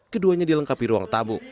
keduanya dilengkapi ruang tamu